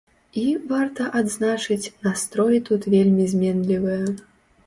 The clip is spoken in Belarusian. І, варта адзначыць, настроі тут вельмі зменлівыя.